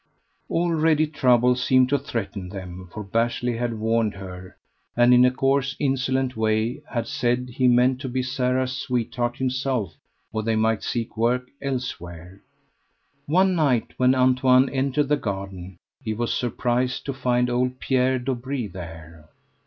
Already trouble seemed to threaten them, for Bashley had warned her, and in a coarse insolent way had said he meant to be Sara's sweetheart himself or they might seek work elsewhere. One night, when Antoine entered the garden, he was surprised to find old Pierre Dobree there.